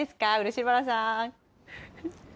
漆原さん。